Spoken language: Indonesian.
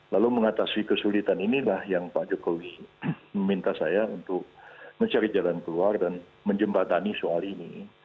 lalu mengatasi kesulitan inilah yang pak jokowi meminta saya untuk mencari jalan keluar dan menjembatani soal ini